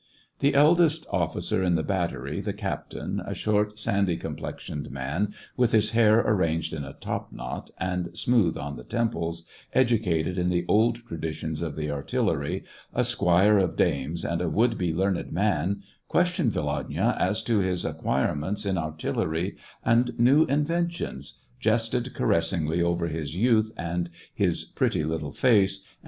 The eldest officer in the battery, the captain, a short, sandy complexioned man, with his hair ar ranged in a topknot, and smooth on the temples, educated in the old traditions of the artillery, a squire of dames, and a would be learned man, questioned Volodya as to his acquirements in artillery and new inventions, jested caressingly over his youth and his pretty little face, arid 206 SEVASTOPOL IN AUGUST.